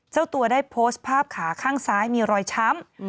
เจ้าตัวได้โพสต์ภาพขาข้างซ้ายมีรอยช้ำ